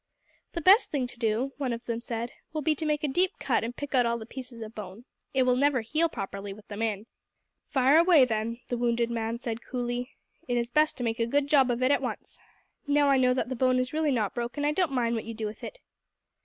"The best thing to do," one of them said, "will be to make a deep cut and pick out all the pieces of bone. It will never heal properly with them in." "Fire away then!" the wounded man said coolly. "It is best to make a good job of it at once. Now I know that the bone is not really broken I don't mind what you do with it."